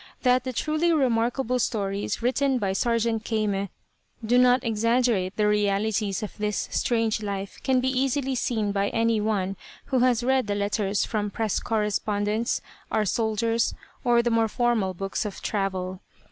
That the truly remarkable stories written by Sargent Kayme do not exaggerate the realities of this strange life can be easily seen by any one who has read the letters from press correspondents, our soldiers, or the more formal books of travel.